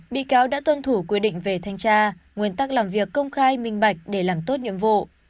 bị cáo đã tuân thủ quy định về thanh tra nguyên tắc làm việc công khai minh bạch để làm tốt nhiệm vụ